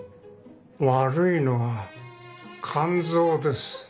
悪いのは肝臓です。